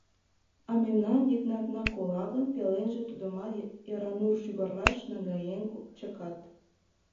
А мемнан Йыгнатна кола гын, пеленже Тудымат Яранур шӱгарлаш наҥгаен чыкат.